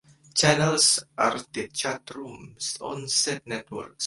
Channels are the "chat rooms" on said networks.